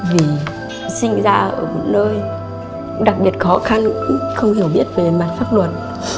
vì sinh ra ở một nơi đặc biệt khó khăn không hiểu biết về mặt pháp luật